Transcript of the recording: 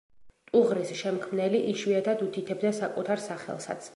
ტუღრის შემქმნელი იშვიათად უთითებდა საკუთარ სახელსაც.